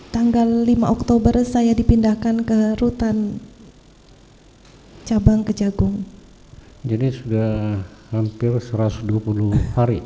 tanggal lima oktober saya dipindahkan ke rutan cabang kejagung jadi sudah hampir satu ratus dua puluh hari